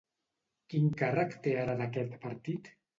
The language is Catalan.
Quin càrrec té ara d'aquest partit?